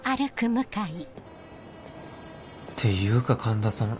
ていうか環田さん